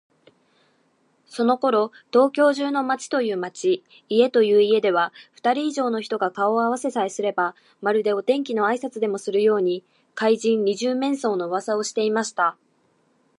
そのころ、東京中の町という町、家という家では、ふたり以上の人が顔をあわせさえすれば、まるでお天気のあいさつでもするように、怪人「二十面相」のうわさをしていました。